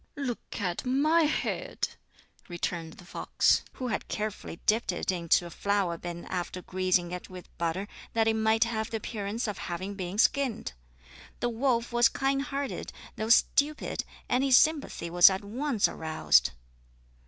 "Look at my head," returned the fox, who had carefully dipped it into a flour bin after greasing it with butter that it might have the appearance of having been skinned. The wolf was kind hearted, though stupid, and his sympathy was at once aroused.